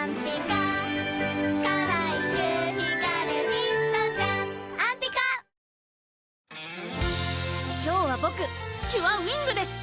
フフフ今日はボクキュアウィングです！